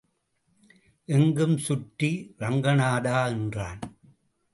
எங்கும் சுற்றி ரங்கநாதா என்றான்.